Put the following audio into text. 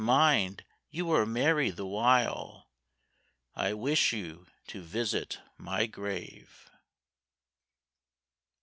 mind you are merry the while— I wish you to visit my grave.